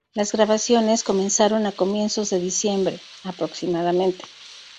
Las grabaciones comenzaron a comienzos de diciembre, aproximadamente.